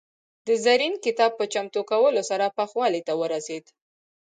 د زرین کتاب په چمتو کولو سره پوخوالي ته ورسېد.